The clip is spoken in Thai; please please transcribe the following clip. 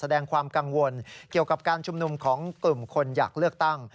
แสดงความกังวลเกี่ยวกับการชุมนุมของกลุ่มคนอยากเลือกตั้ง